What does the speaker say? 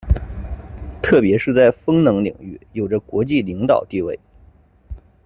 特别是在风能领域有着国际领导地位。